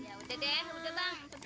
ya udah deh udah bang